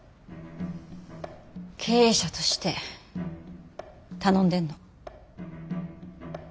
経営者として頼んでんの。